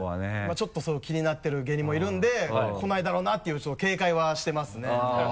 ちょっと気になってる芸人もいるんで来ないだろうなっていうちょっと警戒はしてますね。